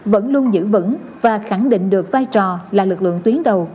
vẫn luôn giữ vững và khẳng định được vai trò là lực lượng tuyến đầu